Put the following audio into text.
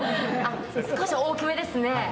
少し大きめですね。